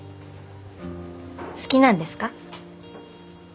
好きなんですか？